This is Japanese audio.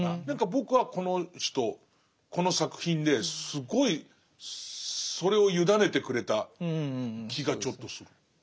何か僕はこの人この作品ですごいそれをゆだねてくれた気がちょっとする。